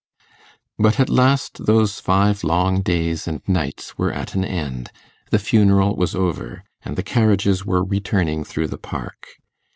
But at last those five long days and nights were at an end, the funeral was over, and the carriages were returning through the park.